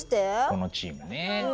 このチームね。